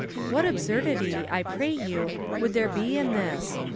^ What absurdity, I pray you, would there be in this